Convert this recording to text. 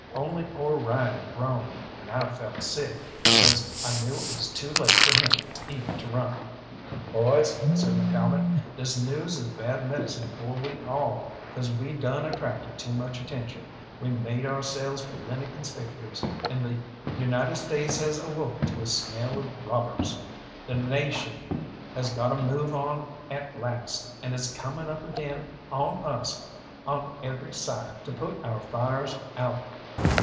Only poor Ryan groaned, and I felt sick, because I knew it was too late for him even to run. "Boys," says McCalmont, "this news is bad medicine for we all, 'cause we done attracted too much attention, we made ourselves plenty conspicuous, and the United States has awoke to a smell of robbers. The nation has got a move on at last, and it's coming up again on us on every side to put our fires out.